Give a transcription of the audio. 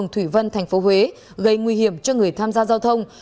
thủy vân thành phố huế gây nguy hiểm cho người tham gia giao thông